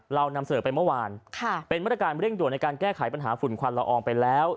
เรานำเสนอไปเมื่อวานเป็นมาตรการเร่งด่วนในการแก้ไขปัญหาฝุ่นควันละอองไปแล้ว